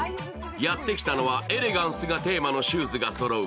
やってきたのは、エレガンスがテーマのシューズがそろう